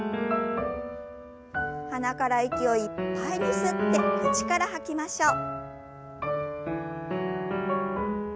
鼻から息をいっぱいに吸って口から吐きましょう。